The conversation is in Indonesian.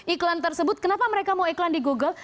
iklan tersebut kenapa mereka mau iklan di google